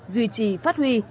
duy trì phát huy